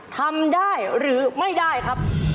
ทำได้หรือไม่ได้ครับ